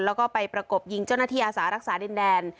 แล้วก็ไปประกบยิงเจ้าหน้าที่อาสารักษาดินแดน